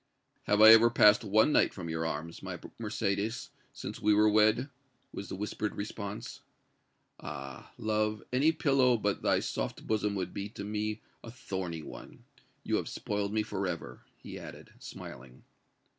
"Have I ever passed one night from your arms, my Mercédès, since we were wed?" was the whispered response. "Ah! love, any pillow but thy soft bosom would be to me a thorny one! You have spoiled me forever!" he added, smiling.